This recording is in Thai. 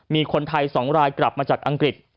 มีคนไทย๒รายกลับมาจากอังกฤษ